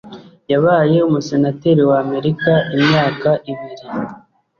Yabaye umusenateri w’Amerika imyaka ibiri.